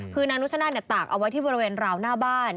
คือนางนุชนาธิตากเอาไว้ที่บริเวณราวหน้าบ้าน